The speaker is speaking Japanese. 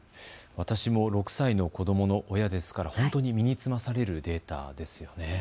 私も６歳の子どもの親ですからほんとに身につまされるデータですよね。